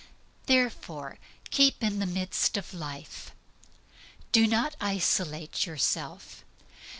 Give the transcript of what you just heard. Therefore keep in the midst of life. Do not isolate yourself.